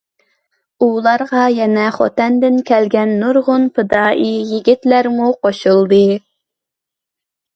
ئۇلارغا يەنە خوتەندىن كەلگەن نۇرغۇن پىدائىي يىگىتلەرمۇ قوشۇلدى.